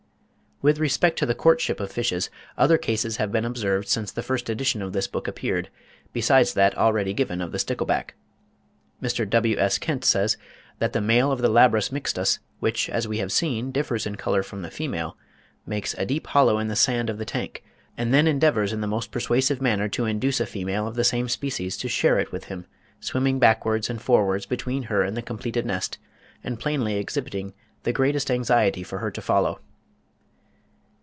With respect to the courtship of fishes, other cases have been observed since the first edition of this book appeared, besides that already given of the stickleback. Mr. W.S. Kent says that the male of the Labrus mixtus, which, as we have seen, differs in colour from the female, makes "a deep hollow in the sand of the tank, and then endeavours in the most persuasive manner to induce a female of the same species to share it with him, swimming backwards and forwards between her and the completed nest, and plainly exhibiting the greatest anxiety for her to follow."